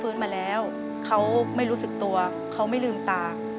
เปลี่ยนเพลงเพลงเก่งของคุณและข้ามผิดได้๑คำ